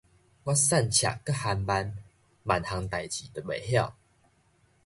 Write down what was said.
我散赤閣頇顢，萬項代誌都袂曉